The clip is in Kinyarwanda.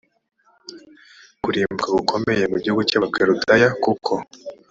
kurimbuka gukomeye mu gihugu cy abakaludaya kuko